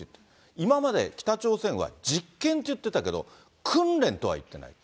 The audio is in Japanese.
今まで北朝鮮は実験といってたけど、訓練とはいってない。